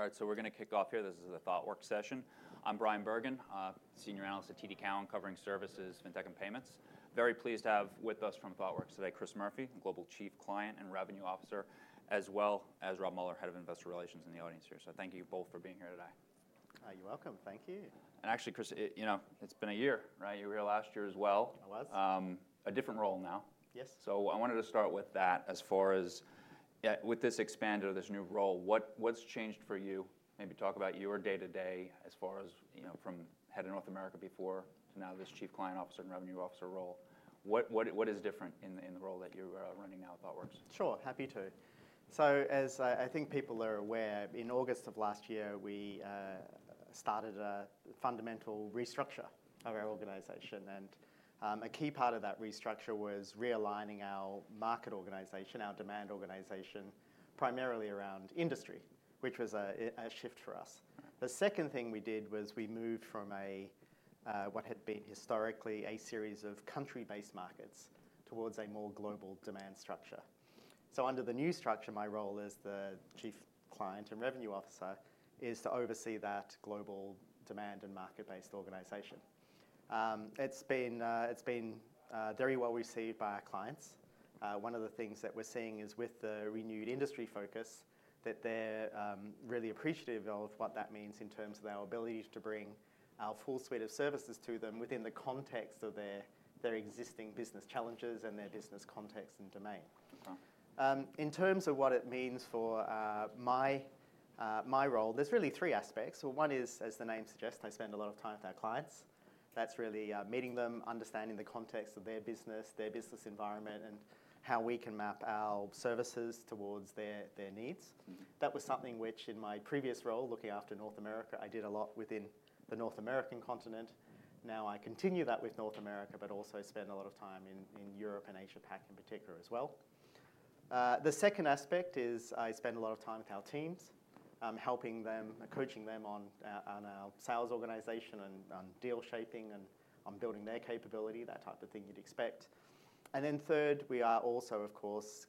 All right, so we're gonna kick off here. This is a Thoughtworks session. I'm Bryan Bergin, Senior Analyst at TD Cowen, covering services, fintech, and payments. Very pleased to have with us from Thoughtworks today, Chris Murphy, Global Chief Client and Revenue Officer, as well as Rob Muller, Head of Investor Relations in the audience here. So thank you both for being here today. You're welcome. Thank you. Actually, Chris, you know, it's been a year, right? You were here last year as well. I was. A different role now. Yes. So I wanted to start with that as far as with this expanded or this new role, what's changed for you? Maybe talk about your day-to-day as far as, you know, from Head of North America before to now this Chief Client and Revenue Officer role. What is different in the role that you're running now at Thoughtworks? Sure, happy to. So as I think people are aware, in August of last year, we started a fundamental restructure of our organization, and a key part of that restructure was realigning our market organization, our demand organization, primarily around industry, which was a shift for us. The second thing we did was we moved from what had been historically a series of country-based markets towards a more global demand structure. So under the new structure, my role as the Chief Client and Revenue Officer is to oversee that global demand and market-based organization. It's been very well received by our clients. One of the things that we're seeing is with the renewed industry focus, that they're really appreciative of what that means in terms of our ability to bring our full suite of services to them within the context of their, their existing business challenges and their business context and domain. Okay. In terms of what it means for my role, there's really three aspects. So one is, as the name suggests, I spend a lot of time with our clients. That's really meeting them, understanding the context of their business, their business environment, and how we can map our services towards their, their needs. Mm-hmm. That was something which, in my previous role, looking after North America, I did a lot within the North American continent. Now, I continue that with North America, but also spend a lot of time in Europe and Asia-Pac in particular as well. The second aspect is I spend a lot of time with our teams, helping them, coaching them on our sales organization and on deal shaping and on building their capability, that type of thing you'd expect. And then third, we are also, of course,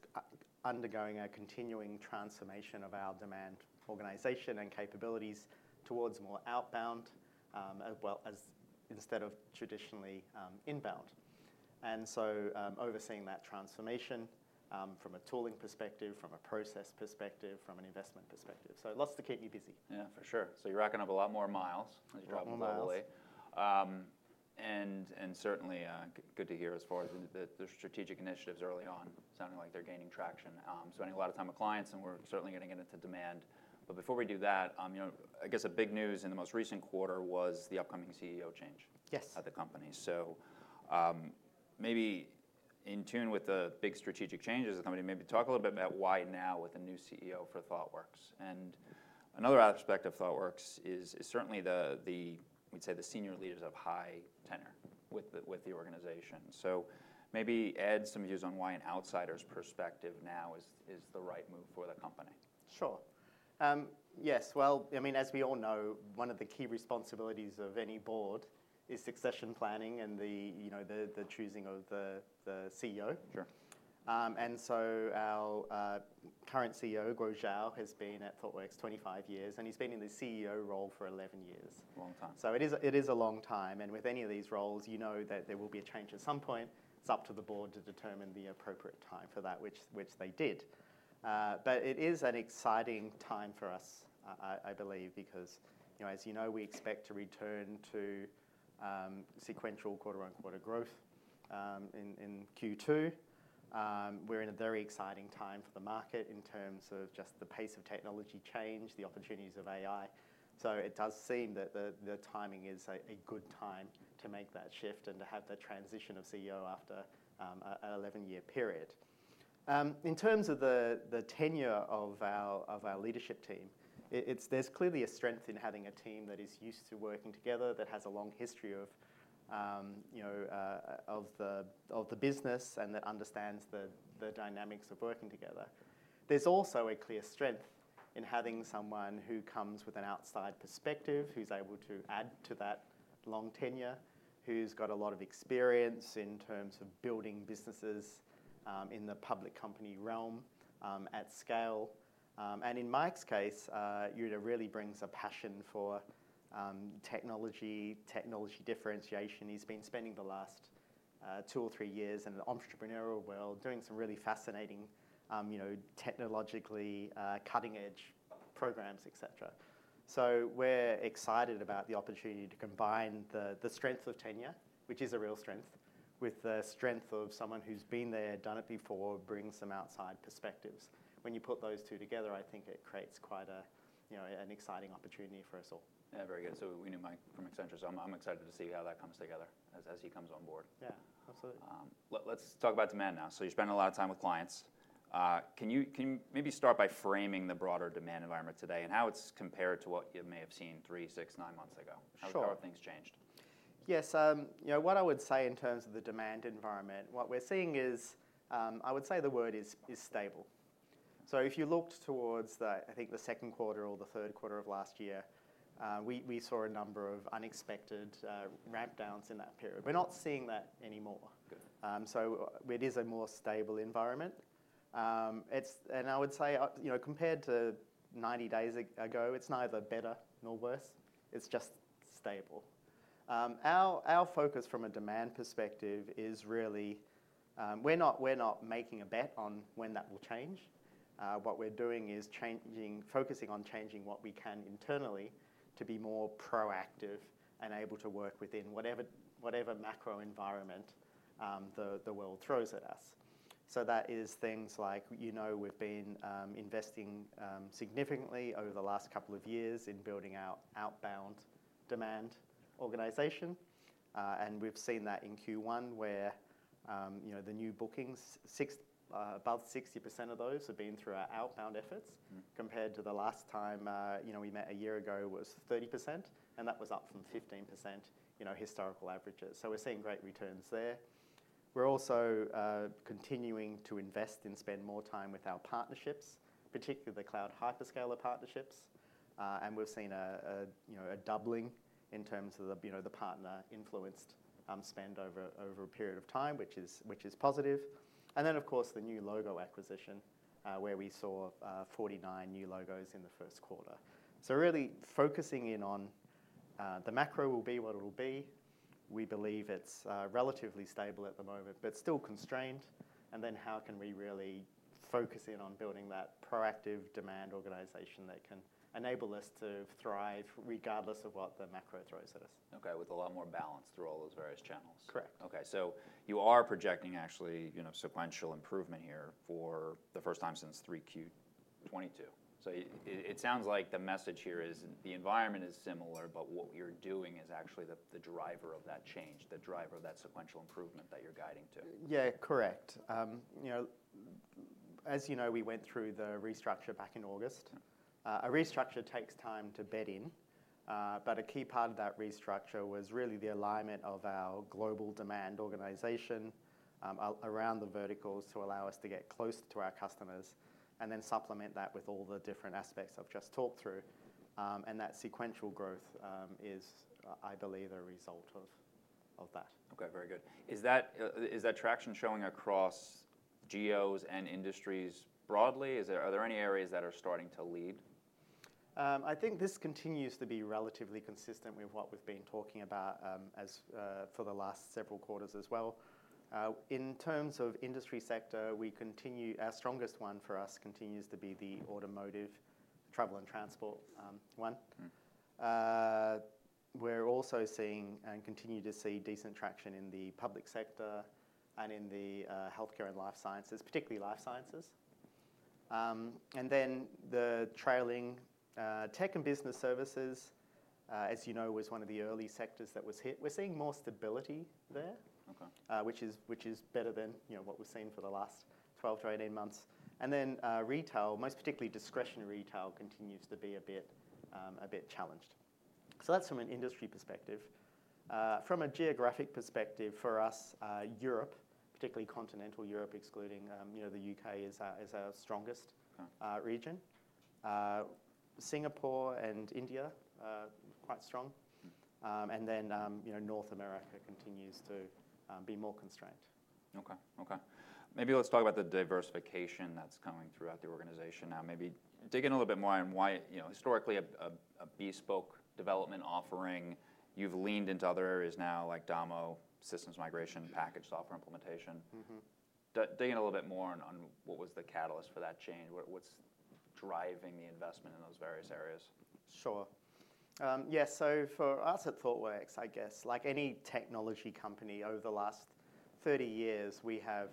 undergoing a continuing transformation of our demand organization and capabilities towards more outbound, well, as instead of traditionally inbound. And so, overseeing that transformation from a tooling perspective, from a process perspective, from an investment perspective. Lots to keep me busy. Yeah, for sure. So you're racking up a lot more miles- A lot more miles. As you travel globally. And certainly good to hear as far as the strategic initiatives early on, sounding like they're gaining traction. Spending a lot of time with clients, and we're certainly getting into demand. But before we do that, you know, I guess a big news in the most recent quarter was the upcoming CEO change. Yes At the company. So, maybe in tune with the big strategic changes of the company, maybe talk a little bit about why now with a new CEO for Thoughtworks. And another aspect of Thoughtworks is certainly the, we'd say, the senior leaders of high tenure with the organization. So maybe add some views on why an outsider's perspective now is the right move for the company. Sure. Yes, well, I mean, as we all know, one of the key responsibilities of any board is succession planning and the, you know, choosing of the CEO. Sure. So our current CEO, Guo Xiao, has been at Thoughtworks 25 years, and he's been in the CEO role for 11 years. Long time. So it is a long time, and with any of these roles, you know that there will be a change at some point. It's up to the board to determine the appropriate time for that, which they did. But it is an exciting time for us, I believe, because, you know, as you know, we expect to return to sequential quarter-over-quarter growth in Q2. We're in a very exciting time for the market in terms of just the pace of technology change, the opportunities of AI. So it does seem that the timing is a good time to make that shift and to have the transition of CEO after an 11-year period. In terms of the tenure of our leadership team, there's clearly a strength in having a team that is used to working together, that has a long history of, you know, of the business and that understands the dynamics of working together. There's also a clear strength in having someone who comes with an outside perspective, who's able to add to that long tenure, who's got a lot of experience in terms of building businesses, in the public company realm, at scale. And in Mike's case, he really brings a passion for, technology, technology differentiation. He's been spending the last, two or three years in the entrepreneurial world, doing some really fascinating, you know, technologically, cutting-edge programs, et cetera. So we're excited about the opportunity to combine the strength of tenure, which is a real strength, with the strength of someone who's been there, done it before, brings some outside perspectives. When you put those two together, I think it creates quite a, you know, an exciting opportunity for us all. Yeah, very good. So we knew Mike from Accenture, so I'm, I'm excited to see how that comes together as, as he comes on board. Yeah, absolutely. Let's talk about demand now. So you're spending a lot of time with clients. Can you maybe start by framing the broader demand environment today and how it's compared to what you may have seen three, six, nine months ago? Sure. How have things changed? Yes, you know, what I would say in terms of the demand environment, what we're seeing is, I would say the word is, is stable. So if you looked towards the, I think, the second quarter or the third quarter of last year, we saw a number of unexpected ramp downs in that period. We're not seeing that anymore. Good. So it is a more stable environment. It's. And I would say, you know, compared to 90 days ago, it's neither better nor worse, it's just stable. Our focus from a demand perspective is really, we're not making a bet on when that will change. What we're doing is focusing on changing what we can internally to be more proactive and able to work within whatever macro environment the world throws at us. So that is things like, you know, we've been investing significantly over the last couple of years in building our outbound demand organization. And we've seen that in Q1, where, you know, the new bookings over 60% of those have been through our outbound efforts- Mm. Compared to the last time, you know, we met a year ago, was 30%, and that was up from 15%, you know, historical averages. So we're seeing great returns there. We're also continuing to invest and spend more time with our partnerships, particularly the cloud hyperscaler partnerships. And we've seen a doubling in terms of the, you know, the partner-influenced spend over a period of time, which is positive. And then, of course, the new logo acquisition, where we saw 49 new logos in the first quarter. So really focusing in on the macro will be what it'll be. We believe it's relatively stable at the moment, but still constrained. How can we really focus in on building that proactive demand organization that can enable us to thrive regardless of what the macro throws at us? Okay. With a lot more balance through all those various channels. Correct. Okay. So you are projecting actually, you know, sequential improvement here for the first time since 3Q 2022. So it sounds like the message here is, the environment is similar, but what we're doing is actually the driver of that change, the driver of that sequential improvement that you're guiding to. Yeah, correct. You know, as you know, we went through the restructure back in August. Mm. A restructure takes time to bed in, but a key part of that restructure was really the alignment of our global demand organization around the verticals to allow us to get close to our customers, and then supplement that with all the different aspects I've just talked through. That sequential growth is, I believe, the result of that. Okay, very good. Is that traction showing across geos and industries broadly? Are there any areas that are starting to lead? I think this continues to be relatively consistent with what we've been talking about, for the last several quarters as well. In terms of industry sector, we continue... Our strongest one for us continues to be the automotive, travel and transport, one. Mm. We're also seeing, and continue to see decent traction in the public sector and in the healthcare and life sciences, particularly life sciences. And then the trailing tech and business services, as you know, was one of the early sectors that was hit. We're seeing more stability there. Okay Which is better than, you know, what we've seen for the last 12-18 months. And then, retail, most particularly discretionary retail, continues to be a bit challenged. So that's from an industry perspective. From a geographic perspective for us, Europe, particularly Continental Europe, excluding, you know, the U.K., is our strongest- Okay Region. Singapore and India, quite strong. And then, you know, North America continues to be more constrained. Okay, okay. Maybe let's talk about the diversification that's coming throughout the organization now. Maybe dig in a little bit more on why, you know, historically, a bespoke development offering, you've leaned into other areas now, like DAMO, systems migration, package software implementation. Mm-hmm. Dig in a little bit more on, on what was the catalyst for that change. What, what's driving the investment in those various areas? Sure. Yeah, so for us at Thoughtworks, I guess like any technology company over the last 30 years, we have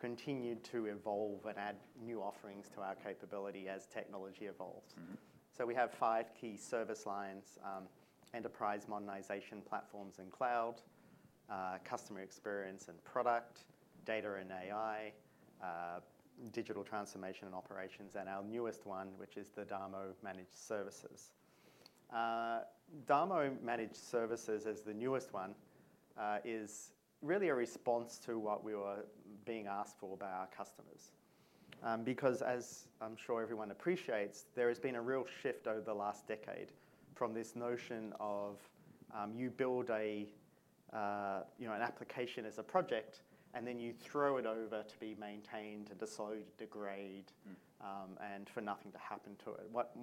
continued to evolve and add new offerings to our capability as technology evolves. Mm-hmm. So we have five key service lines: enterprise modernization platforms and cloud, customer experience and product, data and AI, digital transformation and operations, and our newest one, which is the DAMO Managed Services. DAMO Managed Services as the newest one is really a response to what we were being asked for by our customers. Because as I'm sure everyone appreciates, there has been a real shift over the last decade from this notion of, you build a, you know, an application as a project, and then you throw it over to be maintained and slowly degrade- Mm And for nothing to happen to it. What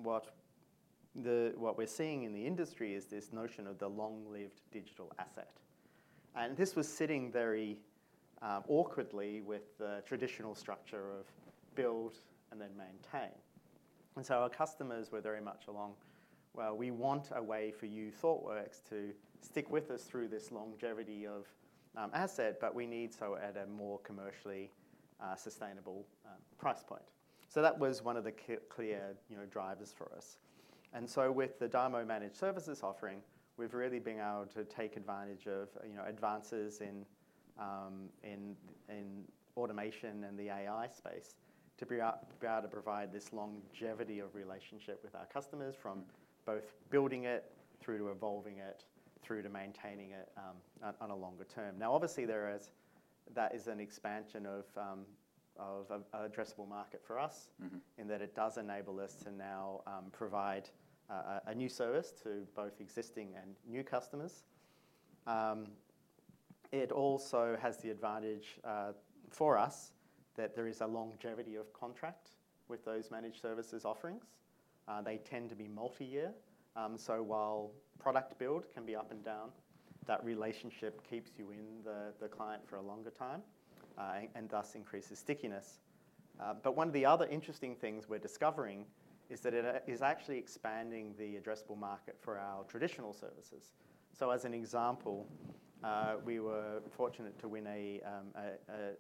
we're seeing in the industry is this notion of the long-lived digital asset, and this was sitting very awkwardly with the traditional structure of build and then maintain. And so our customers were very much along: "Well, we want a way for you, Thoughtworks, to stick with us through this longevity of asset, but we need so at a more commercially sustainable price point." So that was one of the clear, you know, drivers for us. And so with the DAMO Managed Services offering, we've really been able to take advantage of, you know, advances in automation and the AI space to be able to provide this longevity of relationship with our customers from both building it through to evolving it, through to maintaining it, on a longer term. Now, obviously, that is an expansion of an addressable market for us. Mm-hmm. In that it does enable us to now provide a new service to both existing and new customers. It also has the advantage for us that there is a longevity of contract with those managed services offerings. They tend to be multi-year. So while product build can be up and down, that relationship keeps you in the client for a longer time and thus increases stickiness. But one of the other interesting things we're discovering is that it is actually expanding the addressable market for our traditional services. So as an example, we were fortunate to win a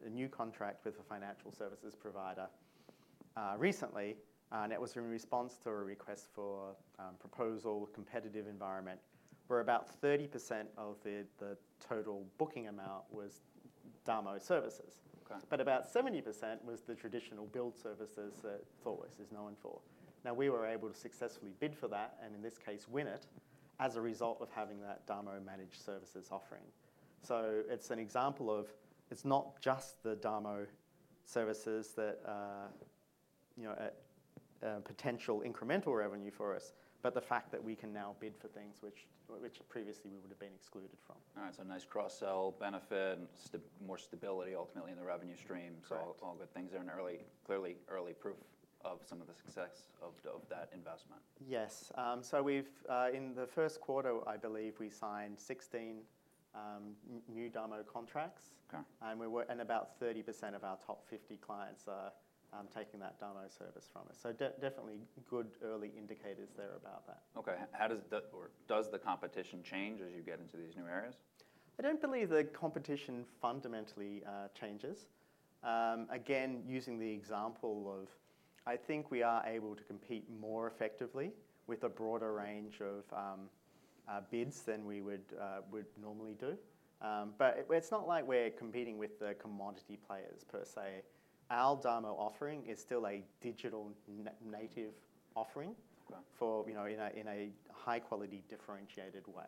new contract with a financial services provider recently, and it was in response to a request for a proposal, competitive environment, where about 30% of the total booking amount was DAMO services. Okay. But about 70% was the traditional build services that Thoughtworks is known for. Now, we were able to successfully bid for that, and in this case, win it, as a result of having that DAMO Managed Services offering. So it's an example of it's not just the DAMO services that, you know, potential incremental revenue for us, but the fact that we can now bid for things which, which previously we would have been excluded from. All right, so nice cross-sell benefit, more stability ultimately in the revenue stream. Correct. All good things are an early, clearly early proof of some of the success of that investment. Yes. So we've in the first quarter, I believe we signed 16 new DAMO contracts. Okay. And about 30% of our top 50 clients are taking that DAMO service from us. So definitely good early indicators there about that. Okay, how does... or does the competition change as you get into these new areas? I don't believe the competition fundamentally changes. Again, using the example of, I think we are able to compete more effectively with a broader range of bids than we would normally do. But it's not like we're competing with the commodity players per se. Our DAMO offering is still a digital native offering- Okay... for, you know, in a high quality, differentiated way.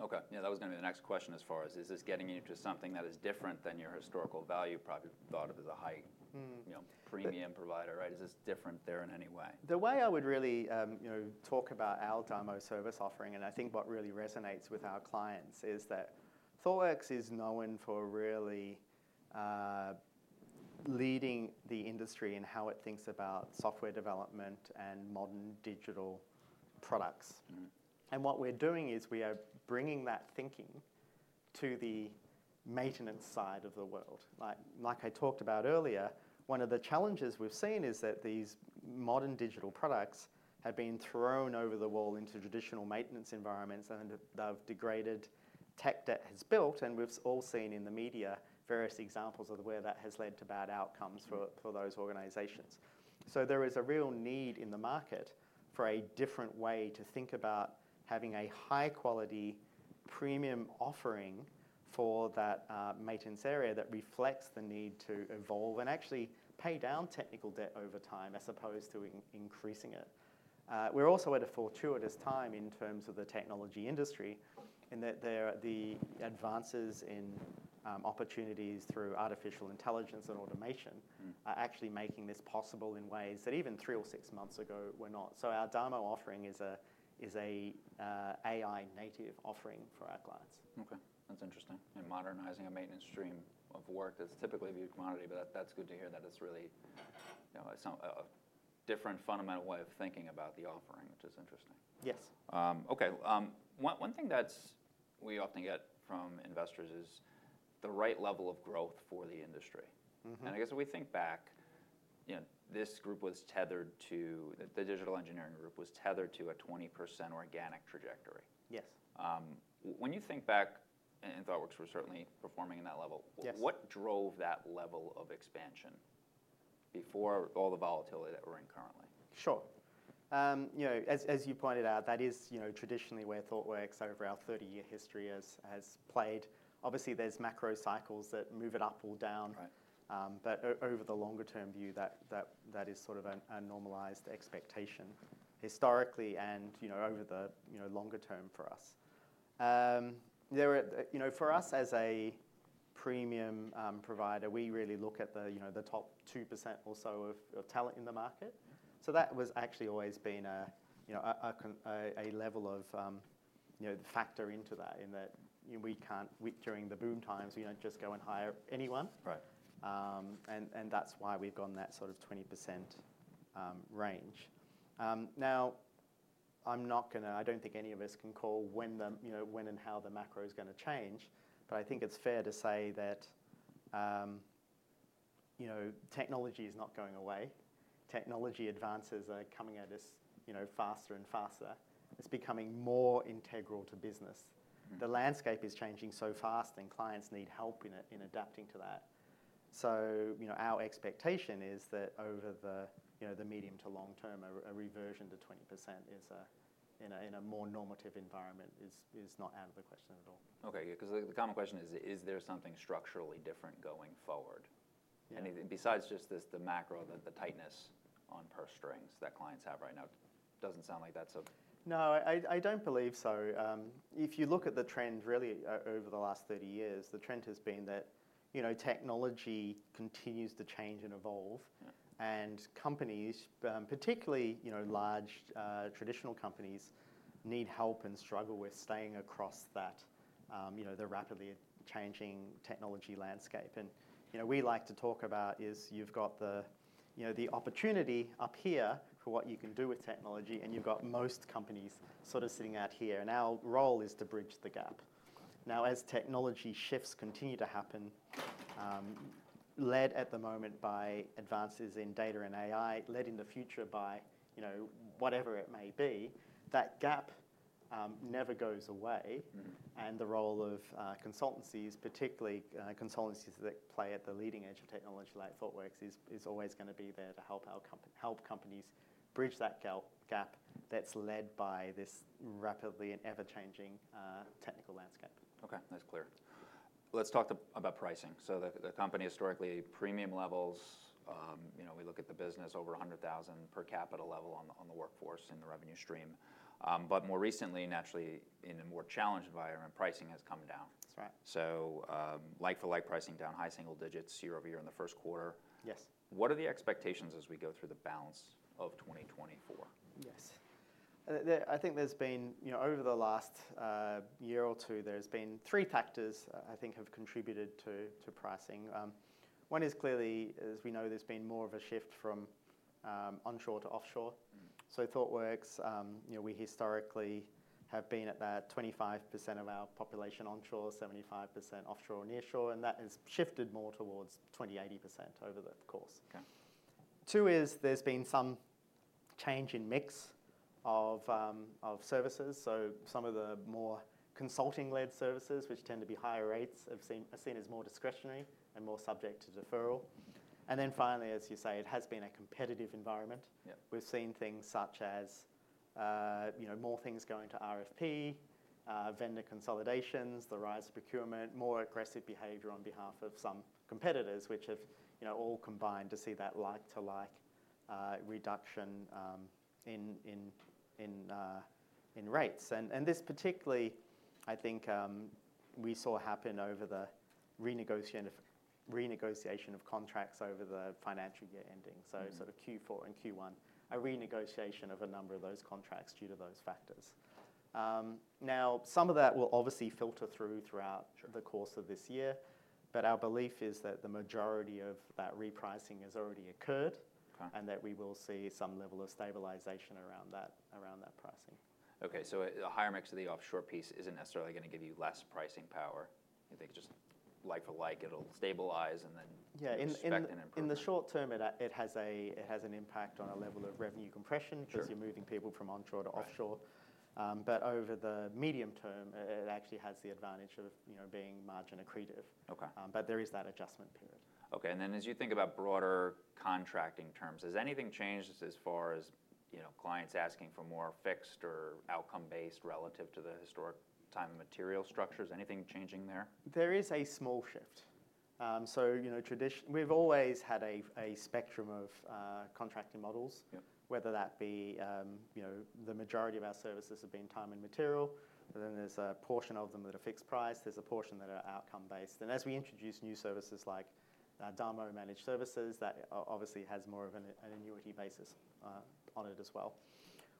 Okay. Yeah, that was gonna be the next question as far as, is this getting you into something that is different than your historical value, probably thought of as a high- Mm You know, premium provider, right? Is this different there in any way? The way I would really, you know, talk about our DAMO service offering, and I think what really resonates with our clients, is that Thoughtworks is known for really leading the industry in how it thinks about software development and modern digital products. Mm. What we're doing is we are bringing that thinking to the maintenance side of the world. Like I talked about earlier, one of the challenges we've seen is that these modern digital products have been thrown over the wall into traditional maintenance environments, and they've degraded, tech debt has built, and we've all seen in the media various examples of where that has led to bad outcomes for those organizations. So there is a real need in the market for a different way to think about having a high-quality, premium offering for that maintenance area that reflects the need to evolve and actually pay down technical debt over time, as opposed to increasing it. We're also at a fortuitous time in terms of the technology industry, in that there are the advances in opportunities through artificial intelligence and automation- Mm Are actually making this possible in ways that even three or six months ago were not. So our DAMO offering is a AI native offering for our clients. Okay, that's interesting. And modernizing a maintenance stream of work that's typically viewed commodity, but that, that's good to hear that it's really, you know, some, a different fundamental way of thinking about the offering, which is interesting. Yes. One thing that we often get from investors is the right level of growth for the industry. Mm-hmm. I guess if we think back, you know, this group was tethered to... The digital engineering group was tethered to a 20% organic trajectory. Yes. When you think back, and Thoughtworks were certainly performing in that level- Yes What drove that level of expansion before all the volatility that we're in currently? Sure. You know, as you pointed out, that is, you know, traditionally where Thoughtworks over our 30-year history has played. Obviously, there's macro cycles that move it up or down. Right. But over the longer term view, that is sort of a normalized expectation, historically and, you know, over the, you know, longer term for us. There are, you know, for us as a premium provider, we really look at the, you know, the top 2% or so of talent in the market. So that was actually always been a, you know, a constant level of, you know, factor into that, in that we can't, during the boom times, we don't just go and hire anyone. Right. And that's why we've gone that sort of 20% range. Now, I'm not gonna, I don't think any of us can call when, you know, when and how the macro is gonna change, but I think it's fair to say that, you know, technology is not going away. Technology advances are coming at us, you know, faster and faster. It's becoming more integral to business. Mm. The landscape is changing so fast, and clients need help in adapting to that. So, you know, our expectation is that over, you know, the medium to long term, a reversion to 20% is in a more normative environment, is not out of the question at all. Okay, yeah, 'cause the common question is: Is there something structurally different going forward?... anything besides just this, the macro, the tightness on purse strings that clients have right now? Doesn't sound like that, so. No, I don't believe so. If you look at the trend really over the last 30 years, the trend has been that, you know, technology continues to change and evolve. Mm. Companies, particularly, you know, large, traditional companies, need help and struggle with staying across that, you know, the rapidly changing technology landscape. You know, we like to talk about is you've got the, you know, the opportunity up here for what you can do with technology, and you've got most companies sort of sitting out here, and our role is to bridge the gap. Now, as technology shifts continue to happen, led at the moment by advances in data and AI, led in the future by, you know, whatever it may be, that gap, never goes away. Mm-hmm. The role of consultancies, particularly consultancies that play at the leading edge of technology like Thoughtworks, is always gonna be there to help companies bridge that gap that's led by this rapidly and ever-changing technical landscape. Okay, that's clear. Let's talk about pricing. So the company historically, premium levels, you know, we look at the business over $100,000 per capita level on the workforce and the revenue stream. But more recently, naturally, in a more challenged environment, pricing has come down. That's right. Like for like pricing, down high single digits year-over-year in the first quarter. Yes. What are the expectations as we go through the balance of 2024? Yes. I think there's been, you know, over the last year or two, there's been three factors I think have contributed to pricing. One is clearly, as we know, there's been more of a shift from onshore to offshore. Mm. So Thoughtworks, you know, we historically have been at about 25% of our population onshore, 75% offshore or nearshore, and that has shifted more towards 20, 80% over the course. Okay. Two is there's been some change in mix of services. So some of the more consulting-led services, which tend to be higher rates, are seen as more discretionary and more subject to deferral. And then finally, as you say, it has been a competitive environment. Yeah. We've seen things such as, you know, more things going to RFP, vendor consolidations, the rise of procurement, more aggressive behavior on behalf of some competitors, which have, you know, all combined to see that like to like reduction in rates. And this particularly, I think, we saw happen over the renegotiation of contracts over the financial year ending. Mm. So sort of Q4 and Q1, a renegotiation of a number of those contracts due to those factors. Now, some of that will obviously filter through throughout- Sure The course of this year, but our belief is that the majority of that repricing has already occurred- Okay And that we will see some level of stabilization around that, around that pricing. Okay, so a higher mix of the offshore piece isn't necessarily gonna give you less pricing power. I think just like for like, it'll stabilize, and then- Yeah, in- Expect an improvement. In the short term, it has an impact on our level of revenue compression- Sure 'Cause you're moving people from onshore to offshore. Right. But over the medium term, it actually has the advantage of, you know, being margin accretive. Okay. But there is that adjustment period. Okay, and then as you think about broader contracting terms, has anything changed as far as, you know, clients asking for more fixed or outcome-based relative to the historic time and material structures? Anything changing there? There is a small shift. So, you know, we've always had a spectrum of contracting models. Yeah. Whether that be, you know, the majority of our services have been time and material, but then there's a portion of them that are fixed price, there's a portion that are outcome based. And as we introduce new services like, DAMO Managed Services, that obviously has more of an annuity basis on it as well.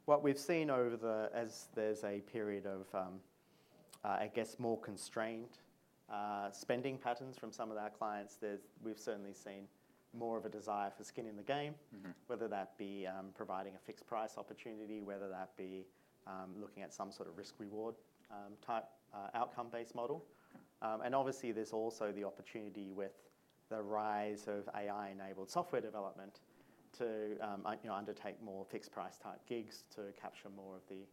What we've seen over the... as there's a period of, I guess, more constrained spending patterns from some of our clients, we've certainly seen more of a desire for skin in the game. Mm-hmm. Whether that be, providing a fixed price opportunity, whether that be, looking at some sort of risk reward, type, outcome-based model. And obviously, there's also the opportunity with the rise of AI-enabled software development to, you know, undertake more fixed price type gigs to capture more of the,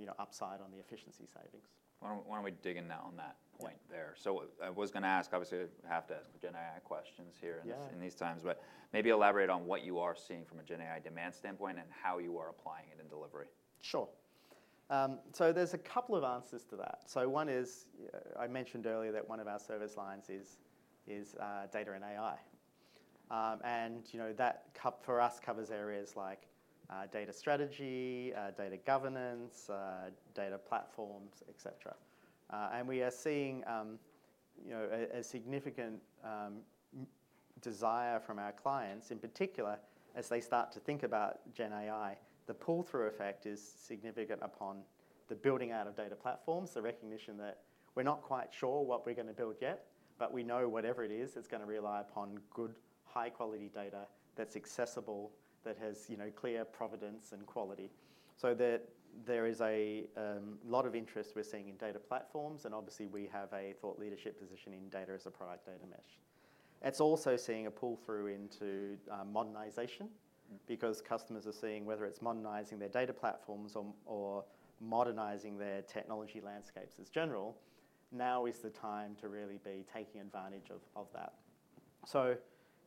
you know, upside on the efficiency savings. Why don't we dig in now on that point there? Yeah. I was gonna ask, obviously. I have to ask Gen AI questions here- Yeah In these times, but maybe elaborate on what you are seeing from a Gen AI demand standpoint and how you are applying it in delivery? Sure. So there's a couple of answers to that. So one is, I mentioned earlier that one of our service lines is data and AI. And, you know, that cap for us covers areas like data strategy, data governance, data platforms, et cetera. And we are seeing, you know, a significant desire from our clients, in particular, as they start to think about Gen AI. The pull-through effect is significant upon the building out of data platforms, the recognition that we're not quite sure what we're going to build yet, but we know whatever it is, it's going to rely upon good, high-quality data that's accessible, that has, you know, clear provenance and quality. So there is a lot of interest we're seeing in data platforms, and obviously, we have a thought leadership position in data as a product Data Mesh. It's also seeing a pull-through into modernization- Mm Because customers are seeing whether it's modernizing their data platforms or modernizing their technology landscapes in general, now is the time to really be taking advantage of that. So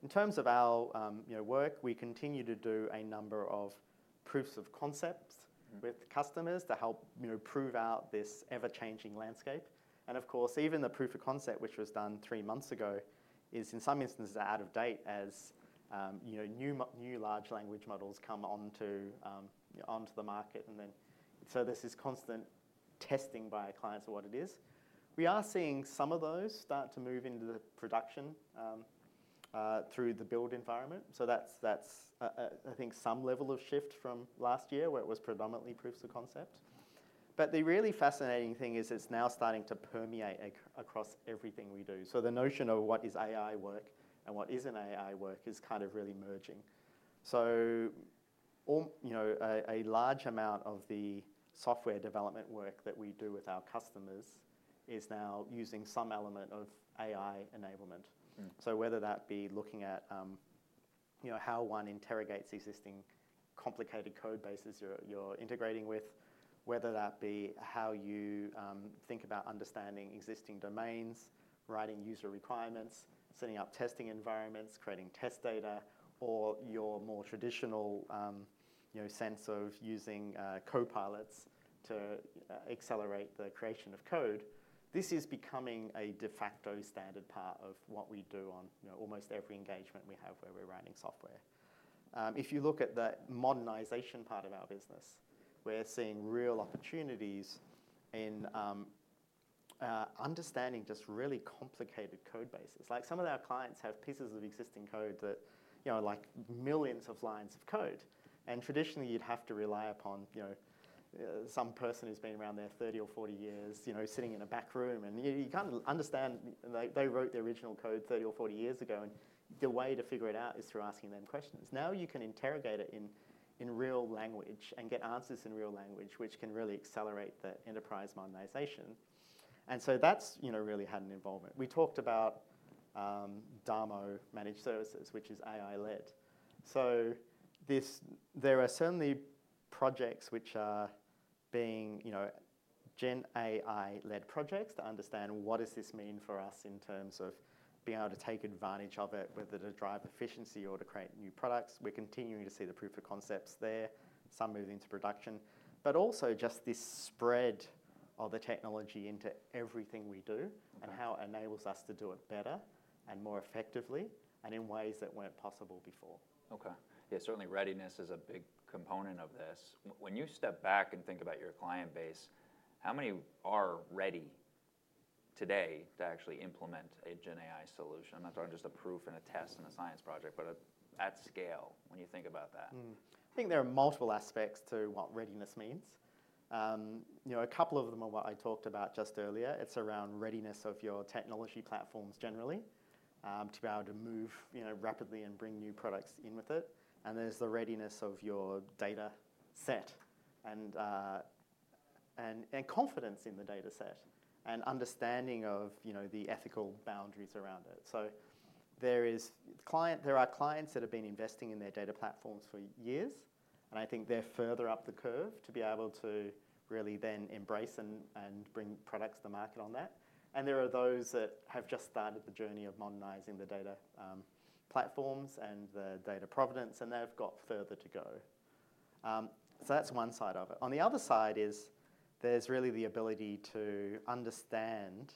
in terms of our, you know, work, we continue to do a number of proofs of concept with customers to help, you know, prove out this ever-changing landscape. And of course, even the proof of concept, which was done three months ago, is in some instances out of date as, you know, new large language models come onto the market and then, so there's this constant testing by our clients of what it is. We are seeing some of those start to move into production through the build environment. So that's, I think, some level of shift from last year, where it was predominantly proofs of concept. But the really fascinating thing is it's now starting to permeate across everything we do. So the notion of what is AI work and what isn't AI work is kind of really merging. So, you know, a large amount of the software development work that we do with our customers is now using some element of AI enablement. Mm. So whether that be looking at, you know, how one interrogates existing complicated code bases you're integrating with, whether that be how you think about understanding existing domains, writing user requirements, setting up testing environments, creating test data, or your more traditional, you know, sense of using Copilots to accelerate the creation of code. This is becoming a de facto standard part of what we do on, you know, almost every engagement we have where we're writing software. If you look at the modernization part of our business, we're seeing real opportunities in understanding just really complicated code bases. Like, some of our clients have pieces of existing code that, you know, like millions of lines of code, and traditionally you'd have to rely upon, you know, some person who's been around there 30 or 40 years, you know, sitting in a back room, and you can't understand. They wrote the original code 30 or 40 years ago, and the way to figure it out is through asking them questions. Now you can interrogate it in real language and get answers in real language, which can really accelerate the enterprise modernization, and so that's, you know, really had an involvement. We talked about DAMO Managed Services, which is AI led. There are certainly projects which are being, you know, Gen AI led projects to understand what does this mean for us in terms of being able to take advantage of it, whether to drive efficiency or to create new products. We're continuing to see the proof of concepts there, some move into production, but also just this spread of the technology into everything we do. Okay and how it enables us to do it better and more effectively and in ways that weren't possible before. Okay. Yeah, certainly readiness is a big component of this. When you step back and think about your client base, how many are ready today to actually implement a Gen AI solution? Not talking just a proof and a test and a science project, but at scale, when you think about that. Mm. I think there are multiple aspects to what readiness means. You know, a couple of them are what I talked about just earlier. It's around readiness of your technology platforms generally, to be able to move, you know, rapidly and bring new products in with it. And there's the readiness of your data set and confidence in the data set and understanding of, you know, the ethical boundaries around it. So there are clients that have been investing in their data platforms for years, and I think they're further up the curve to be able to really then embrace and bring products to the market on that. And there are those that have just started the journey of modernizing the data, platforms and the data provenance, and they've got further to go. So that's one side of it. On the other side is there's really the ability to understand,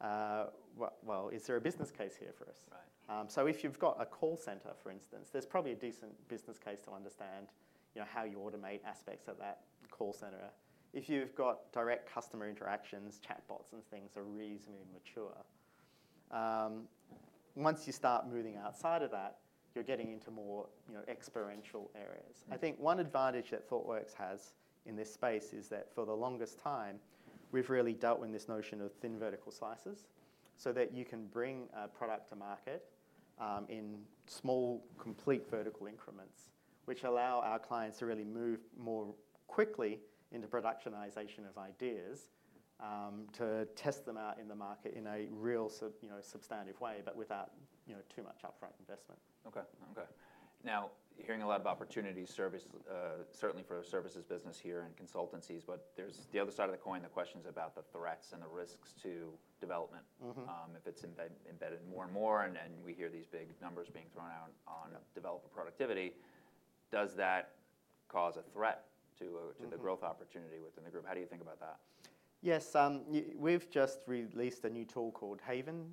well, is there a business case here for us? Right. So if you've got a call center, for instance, there's probably a decent business case to understand, you know, how you automate aspects of that call center. If you've got direct customer interactions, chatbots and things are reasonably mature. Once you start moving outside of that, you're getting into more, you know, experiential areas. Mm. I think one advantage that Thoughtworks has in this space is that for the longest time, we've really dealt with this notion of thin vertical slices, so that you can bring a product to market in small, complete vertical increments, which allow our clients to really move more quickly into productionization of ideas to test them out in the market in a real, you know, substantive way, but without, you know, too much upfront investment. Okay. Okay. Now, hearing a lot about opportunity service, certainly for a services business here and consultancies, but there's the other side of the coin, the questions about the threats and the risks to development- Mm-hmm If it's embedded more and more, and we hear these big numbers being thrown out on developer productivity. Does that cause a threat to- Mm To the growth opportunity within the group? How do you think about that? Yes, we've just released a new tool called Haiven,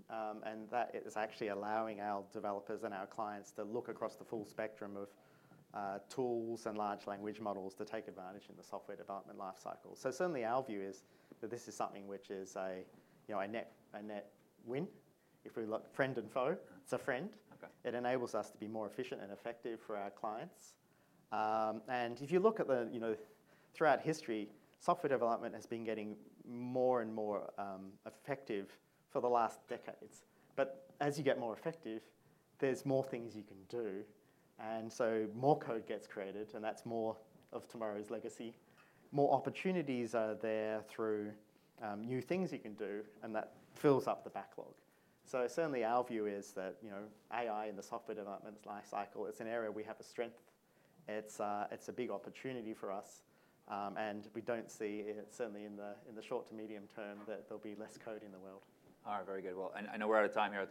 and that is actually allowing our developers and our clients to look across the full spectrum of, tools and large language models to take advantage in the software development life cycle. So certainly our view is that this is something which is a, you know, a net, a net win. If we look friend and foe- Okay It's a friend. Okay. It enables us to be more efficient and effective for our clients. And if you look at the, you know, throughout history, software development has been getting more and more, effective for the last decades. But as you get more effective, there's more things you can do, and so more code gets created, and that's more of tomorrow's legacy. More opportunities are there through, new things you can do, and that fills up the backlog. So certainly our view is that, you know, AI and the software development life cycle, it's an area we have a strength. It's, it's a big opportunity for us, and we don't see, certainly in the, in the short to medium term, that there'll be less code in the world. All right. Very good. Well, I know we're out of time here.